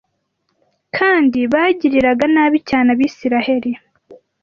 kandi bagiriraga nabi cyane Abisirayeli